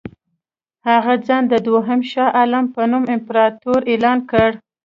هغه ځان د دوهم شاه عالم په نوم امپراطور اعلان کړ.